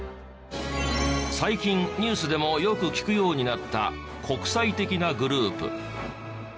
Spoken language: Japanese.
最近ニュースでもよく聞くようになった国際的なグループ。